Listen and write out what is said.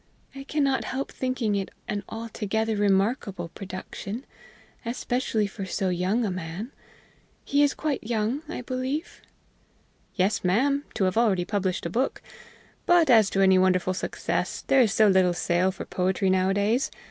I cannot help thinking it an altogether remarkable production, especially for so young a man. He is quite young, I believe?" "Yes, ma'am to have already published a book. But as to any wonderful success, there is so little sale for poetry nowadays.